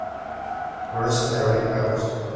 Florecen de abril a agosto.